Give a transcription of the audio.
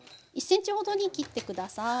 １ｃｍほどに切って下さい。